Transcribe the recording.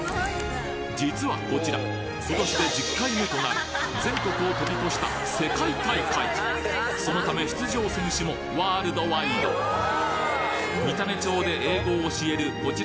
実はこちら今年で１０回目となる全国を飛び越した世界大会そのため出場選手もワールドワイドアメリカ？